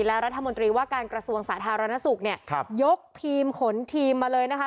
และรัฐมนตรีว่าการกระทรวงสาธารณสุขเนี่ยครับยกทีมขนทีมมาเลยนะคะ